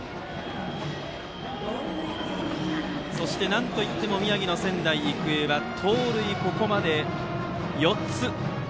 なんといっても宮城の仙台育英は盗塁、ここまで４つ。